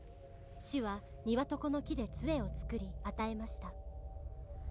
「死はニワトコの木で杖を作り与えました」